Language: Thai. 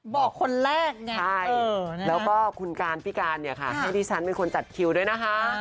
บอกคนแรกไงใช่แล้วก็คุณการพี่การเนี่ยค่ะให้ดิฉันเป็นคนจัดคิวด้วยนะคะ